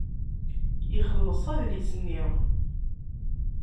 Ixelleṣ adlis-nni.